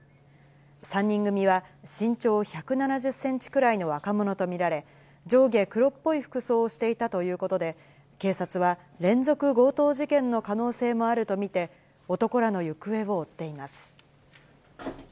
３人組は、身長１７０センチくらいの若者と見られ、上下黒っぽい服装をしていたということで、警察は連続強盗事件の可能性もあると見て、男らの行方を追っています。